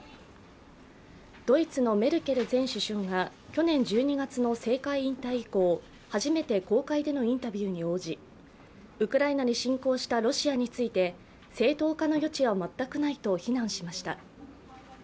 ドイツのメルケル前首相が去年１２月の政界引退以降、初めて公開でのインタビューに応じ、ウクライナに侵攻したロシアについて正当化の余地は全くないと非難しました。